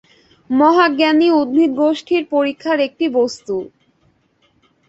মহাজ্ঞানী উদ্ভিদগোষ্ঠীর পরীক্ষার একটি বস্তু?